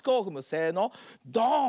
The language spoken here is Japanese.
せのドーン！